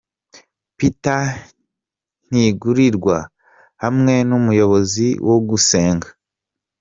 Peter Ntigurirwa hamwe n'umuyobozi wa Gusenga.